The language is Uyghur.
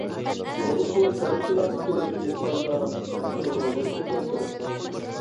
بولۇپمۇ چارۋىچىلار ئۈچۈن ئېلىپ ئېيتقاندا، ئىتنىڭ رولى تېخىمۇ چوڭ.